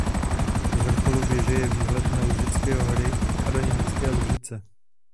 Z vrcholu věže je výhled na Lužické hory a do německé Lužice.